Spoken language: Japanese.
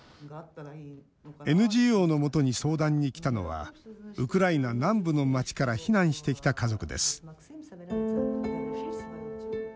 ＮＧＯの元に相談に来たのはウクライナ南部の町から避難してきた家族です。